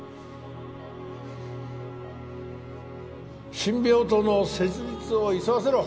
新病棟の設立を急がせろ